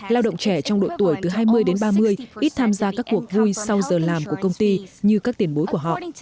lao động trẻ trong độ tuổi từ hai mươi đến ba mươi ít tham gia các cuộc vui sau giờ làm của công ty như các tiền bối của họ